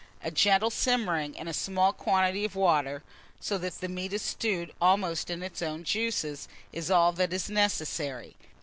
A gentle simmering in a small quantity of water, so that the meat is stewed almost in its own juices, is all that is necessary.